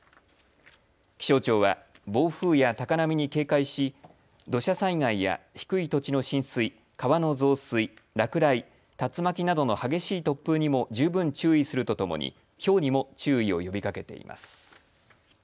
気象庁は暴風や高波に警戒し土砂災害や低い土地の浸水、川の増水、落雷、竜巻などの激しい突風にも十分注意するとともにひょうにも注意を呼びかけています。